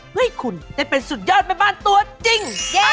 เพื่อให้คุณได้เป็นสุดยอดแม่บ้านตัวจริง